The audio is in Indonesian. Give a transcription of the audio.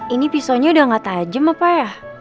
ini pisaunya udah gak tajem apa ya